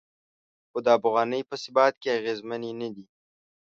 خو د افغانۍ په ثبات کې اغیزمنې نه دي.